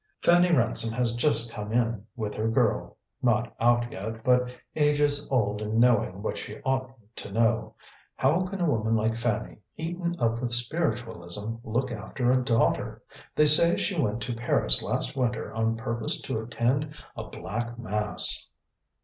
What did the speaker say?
"Fanny Ransom has just come in, with her girl not out yet, but ages old in knowing what she oughtn't to know. How can a woman like Fanny, eaten up with spiritualism, look after a daughter? They say she went to Paris last winter on purpose to attend a Black Mass."